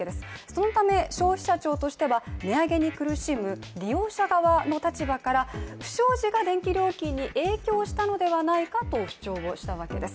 そのため、消費者庁としては値上げに苦しむ利用者側の立場から不祥事が電気料金に影響したのではないかと主張したわけです。